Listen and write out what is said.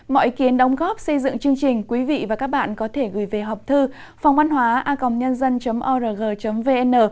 mọi ý kiến đóng góp xây dựng chương trình quý vị và các bạn có thể gửi về họp thư phòngvănhoaacomnhân dân org vn